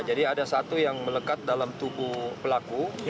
jadi ada satu yang melekat dalam tubuh pelaku